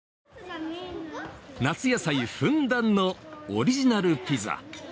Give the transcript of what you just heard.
夏野菜ふんだんのオリジナルピザ。